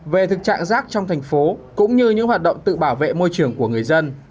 về thực trạng rác trong thành phố cũng như những hoạt động tự bảo vệ môi trường của người dân